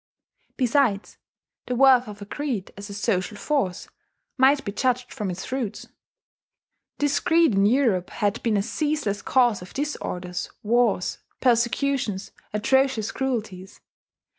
Besides, the worth of a creed as a social force might be judged from its fruits. This creed in Europe had been a ceaseless cause of disorders, wars, persecutions, atrocious cruelties.